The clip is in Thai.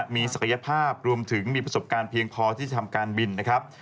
มีศักยภาพรวมถึงมีประสบการณ์เพียงพอที่จะทำการบินนะครับ